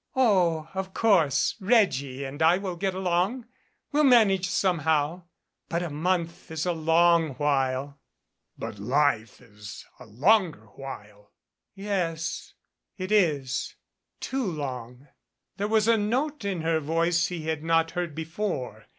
"Oh, of course Reggie and I will get along we'll manage somehow but a month is a long while " "But life is a longer while " "Yes it is too long " There was a note in her voice he had not heard before.